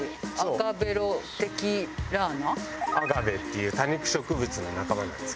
アガベっていう多肉植物の仲間なんですけど。